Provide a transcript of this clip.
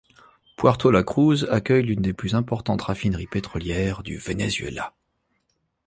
Puerto la Cruz accueille l'une des plus importantes raffineries pétrolières du Venezuela.